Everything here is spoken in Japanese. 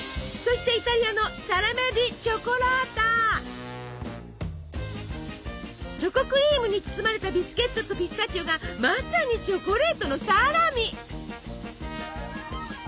そしてチョコクリームに包まれたビスケットとピスタチオがまさにチョコレートのサラミ！